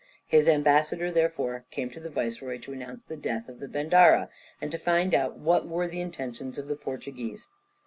His ambassador therefore came to the viceroy to announce the death of the bendarra, and to find out what were the intentions of the Portuguese.